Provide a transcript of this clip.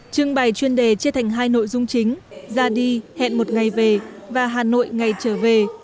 trưng bày chuyên đề chia thành hai nội dung chính ra đi hẹn một ngày về và hà nội ngày trở về